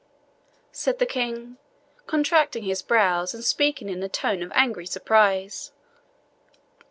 said the King, contracting his brows, and speaking in a tone of angry surprise.